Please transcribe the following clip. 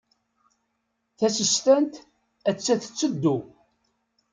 Tasestant atta tetteddu.